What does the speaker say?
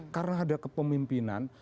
karena ada kepemimpinan